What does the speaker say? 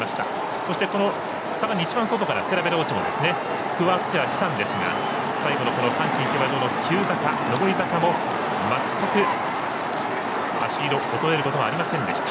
そして、さらに一番外からステラヴェローチェも加わってはきたんですが最後の阪神競馬場の急坂、上り坂もまったく走りが衰えることがありませんでした。